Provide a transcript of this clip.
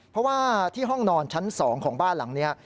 เพราะว่าที่ห้องนอนชั้น๒ของบ้านหลังนี้